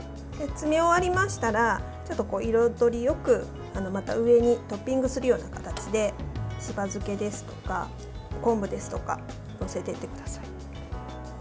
詰め終わりましたら彩りよく、また上にトッピングするような形でしば漬けですとか昆布ですとか載せていってください。